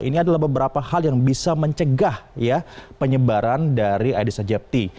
ini adalah beberapa hal yang bisa mencegah penyebaran dari aedes aegypti